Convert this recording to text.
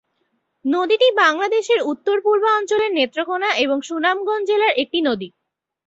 নদীটি বাংলাদেশের উত্তর-পূর্বাঞ্চলের নেত্রকোণা এবং সুনামগঞ্জ জেলার একটি নদী।